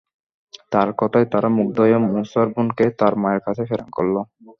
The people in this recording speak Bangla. তার কথায় তারা মুগ্ধ হয়ে মূসার বোনকে তার মায়ের কাছে প্রেরণ করল।